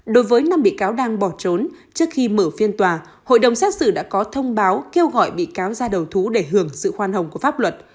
đối với năm bị cáo đang bỏ trốn trước khi mở phiên tòa hội đồng xét xử đã có thông báo kêu gọi bị cáo ra đầu thú để hưởng sự khoan hồng của pháp luật